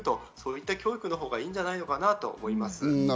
そういった教育のほうがいいんじゃないのかなと思います。